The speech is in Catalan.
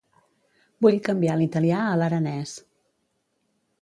Vull canviar l'italià a l'aranès.